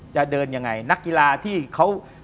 จะเดินยังไงนักกีฬาที่เขา